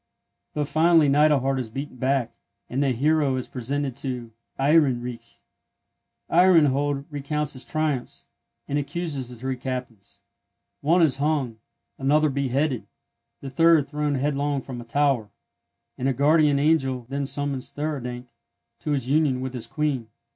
But finally Neidelhard is beaten back; and the hero is presented to Ehrenreich. Ehrenhold recounts his triumphs, and accuses the three captains. One is hung, another beheaded, the third thrown headlong from a tower, and a guardian angel then summons Theurdank to his union with his Queen.